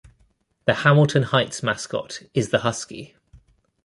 The Hamilton Heights mascot is the husky.